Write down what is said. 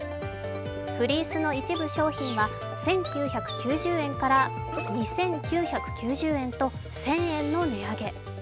フリースの一部商品は１９９０円から２９９０円と１０００円の値上げ。